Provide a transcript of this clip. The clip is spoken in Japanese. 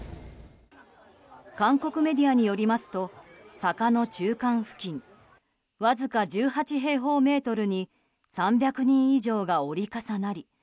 韓国メディアによりますと坂の中間付近わずか１８平方メートルに３００人以上が折り重なり